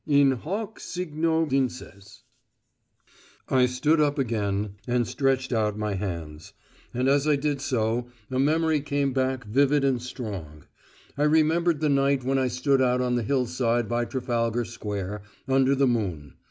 In hoc signo vinces. I stood up again, and stretched out my hands. And as I did so a memory came back vivid and strong. I remembered the night when I stood out on the hillside by Trafalgar Square, under the moon.